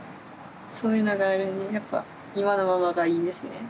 そういうのがあるんでやっぱ今のままがいいですね。